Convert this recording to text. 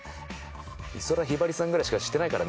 美空ひばりさんくらいしかしてないからね